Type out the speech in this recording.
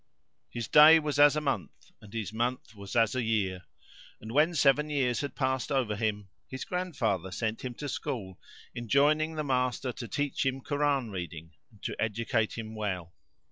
His day was as a month and his month was as a year; [FN#447] and, when seven years had passed over him, his grandfather sent him to school, enjoining the master to teach him Koran reading, and to educate him well.